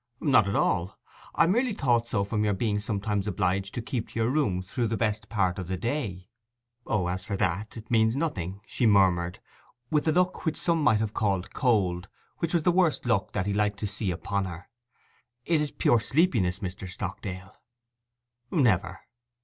'Not at all; I merely thought so from your being sometimes obliged to keep your room through the best part of the day.' 'O, as for that—it means nothing,' she murmured, with a look which some might have called cold, and which was the worst look that he liked to see upon her. 'It is pure sleepiness, Mr. Stockdale.' 'Never!